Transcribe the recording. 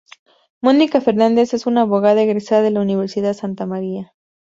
Mónica Fernández es una abogada egresada de la Universidad Santa María.